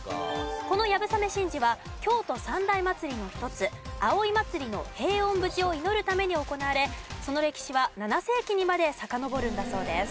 この流鏑馬神事は京都三大祭りの一つ葵祭の平穏無事を祈るために行われその歴史は７世紀にまでさかのぼるんだそうです。